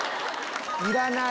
いらない！